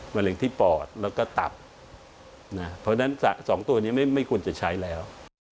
เร็งที่ปอดแล้วก็ตับนะเพราะฉะนั้นสองตัวนี้ไม่ควรจะใช้แล้ว